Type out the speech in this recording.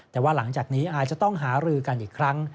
แต่ว่าหลังจากนี้อาจจะต้องหารือกันอีกครั้ง